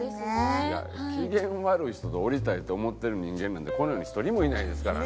いや機嫌悪い人とおりたいって思ってる人間なんてこの世に１人もいないですからね。